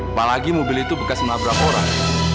apalagi mobil itu bekas menabrak orang